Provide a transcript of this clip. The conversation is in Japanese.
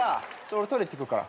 俺トイレ行ってくるから。